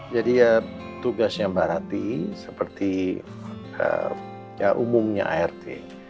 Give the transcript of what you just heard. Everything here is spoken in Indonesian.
jadi ya tugasnya mbak rati seperti ya umumnya art